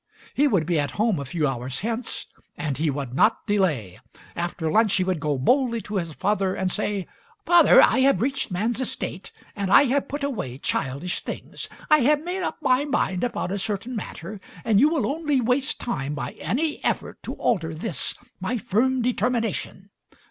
He would be at home a few hours hence, and he would not delay. After lunch he would go boldly to his father and say: "Father, I have reached man's estate and I have put away childish things. I have made up my mind upon a certain matter and you will only waste time by any effort to alter this, my firm determination.